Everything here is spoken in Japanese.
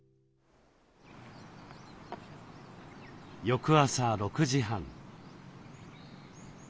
翌朝６時半。